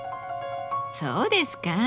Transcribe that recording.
そうですか？